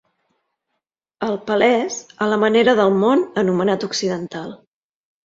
El pelés a la manera del món anomenat Occidental.